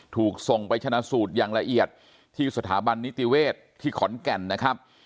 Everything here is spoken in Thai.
ถูกส่งไปชนะสูตรอย่างละเอียดที่สถาบันนิติเวศที่ขอนแก่นนะครับ